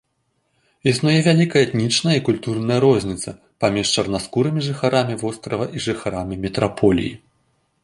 Існуе вялікая этнічная і культурная розніца паміж чарнаскурымі жыхарамі вострава і жыхарамі метраполіі.